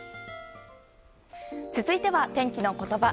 続いては天気のことば。